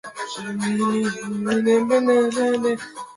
Goizeko kanporaketa proben ondoren, arratsaldean jokatuko dira finalak.